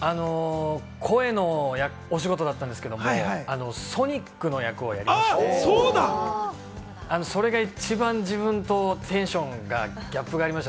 声のお仕事だったんですけどソニックの役をやりまして、それが一番、自分とテンションが逆でした。